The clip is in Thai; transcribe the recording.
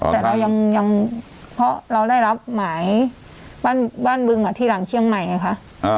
แต่เรายังเพราะเราได้รับหมายบ้านบึงที่หลังเชียงใหม่ไงคะ